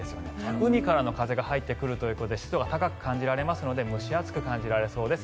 海からの風が入ってくることで湿度が高く感じられますので蒸し暑く感じられそうです。